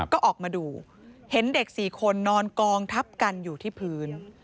ก็ออกมาดูเห็นเด็ก๔คนนอนกองทับกันอยู่ที่พื้น